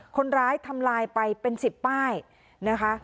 คนร้ายทำลายไปเป็น๑๐ป้ายนะคะ